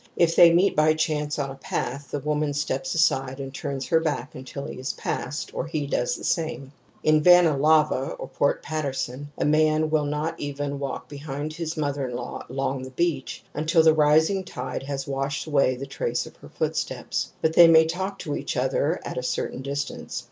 If they meet by chance on a path, the woman steps aside and turns her back until he is passed, or he does the same. In Vanna Lava (Port Patterson) a man will not even walk behind his mother in law along the beach until the rising tide has washed away the trace of her footsteps. But they may talk to each other at a certain distance.